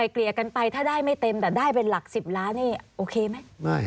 เกลี่ยกันไปถ้าได้ไม่เต็มแต่ได้เป็นหลัก๑๐ล้านนี่โอเคไหม